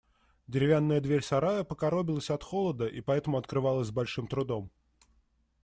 Деревянная дверь сарая покоробилась от холода и потому открывалась с большим трудом.